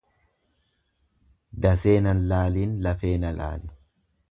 Dasee nan laaliin lafee na laali.